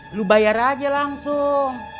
lu bayar aja langsung